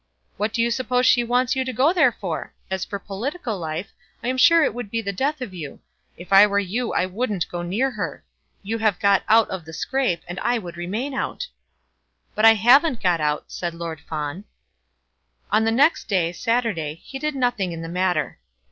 "What do you suppose she wants you to go there for? As for political life, I am quite sure it would be the death of you. If I were you I wouldn't go near her. You have got out of the scrape, and I would remain out." "But I haven't got out," said Lord Fawn. On the next day, Saturday, he did nothing in the matter.